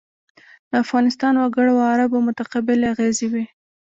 د افغانستان وګړو او عربو متقابلې اغېزې وې.